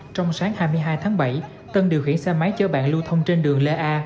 trong sáng hai mươi hai tháng bảy tân điều khiển xe máy chở bạn lưu thông trên đường lê a